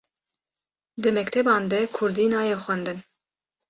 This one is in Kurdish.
Di mekteban de Kurdî nayê xwendin